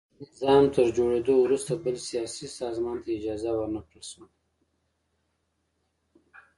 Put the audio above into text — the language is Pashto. نظام تر جوړېدو وروسته بل سیاسي سازمان ته اجازه ور نه کړل شوه.